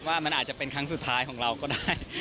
ว่ามันอาจจะเป็นครั้งสุดท้ายของเราก็ได้